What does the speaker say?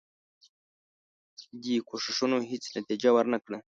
دې کوښښونو هیڅ نتیجه ورنه کړه.